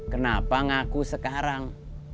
kenapa ngaku sekarang